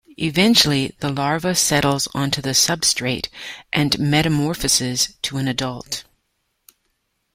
Eventually, the larva settles onto the substrate and metamorphoses to an adult.